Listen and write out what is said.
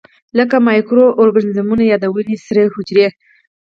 لکه مایکرو ارګانیزمونه یا د وینې سرې حجرې.